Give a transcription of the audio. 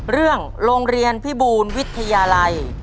เรื่องโรงเรียนพี่บูนวิทยาลัย